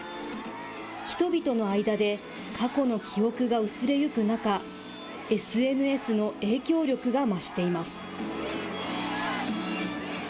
人々の間で過去の記憶が薄れゆく中、ＳＮＳの影響力が増しています。